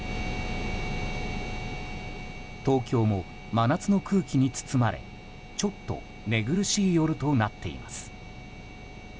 東京も真夏の空気に包まれちょっと寝苦しい夜となっています。